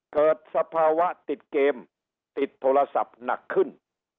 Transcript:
สภาวะติดเกมติดโทรศัพท์หนักขึ้น